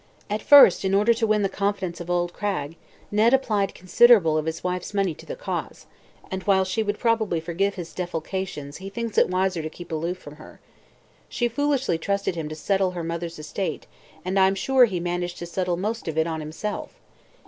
At first, in order to win the confidence of old Cragg, Ned applied considerable of his wife's money to the Cause, and while she would probably forgive his defalcations he thinks it wiser to keep aloof from her. She foolishly trusted him to 'settle' her mother's estate, and I'm sure he managed to settle most of it on himself.